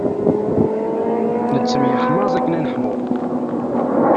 Nettemyeḥmaẓ akken ad neḥmu.